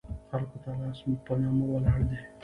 خلکو ته لاس په نامه ولاړ دي.